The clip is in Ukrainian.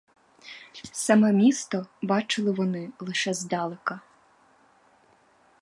Саме місто бачили вони лише здалека.